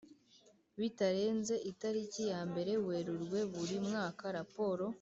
bitarenze itariki yambere Werurwe buri mwaka raporo